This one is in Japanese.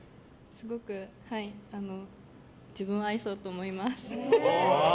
すごく自分を愛そうと思います。